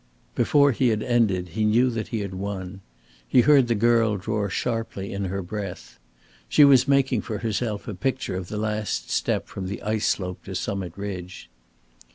Before he had ended, he knew that he had won. He heard the girl draw sharply in her breath. She was making for herself a picture of the last step from the ice slope to summit ridge.